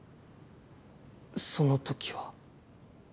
その時は？